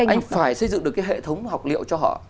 anh phải xây dựng được cái hệ thống học liệu cho họ